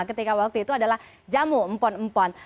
ketika waktu itu adalah jamu empon empon